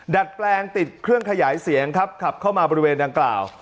ดัดแปลงติดเครื่องขยายเสียงครับขับเข้ามาบริเวณดังกล่าว